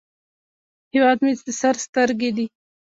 هیواد مې د سر سترګې دي